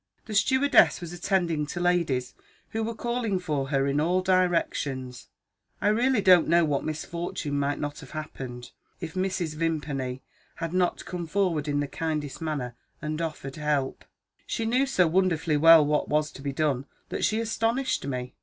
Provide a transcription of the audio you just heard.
The stewardess was attending to ladies who were calling for her in all directions; I really don't know what misfortune might not have happened, if Mrs. Vimpany had not come forward in the kindest manner, and offered help. She knew so wonderfully well what was to be done, that she astonished me.